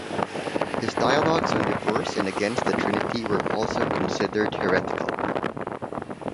His dialogues on divorce and against the Trinity were also considered heretical.